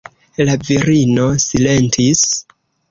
La virino silentis.